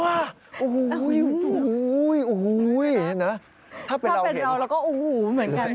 ถ้าเป็นเราเห็นและเราก็เห็นเหมือนกัน